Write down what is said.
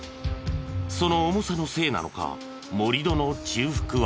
その重さのせいなのか盛り土の中腹は。